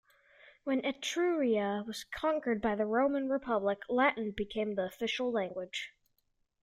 When Etruria was conquered by the Roman Republic, Latin became the official language.